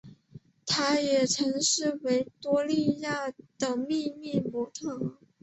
她也曾经是维多利亚的秘密的模特儿。